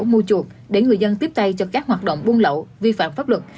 mua chuột để người dân tiếp tay cho các hoạt động buôn lậu vi phạm pháp luật